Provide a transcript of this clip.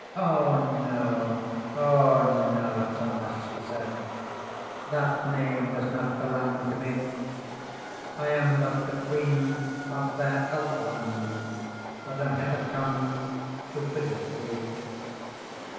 "O no, O no, Thomas," she said, "That name does not belang to me; I am but the queen of fair Elfland, That am hither come to visit thee.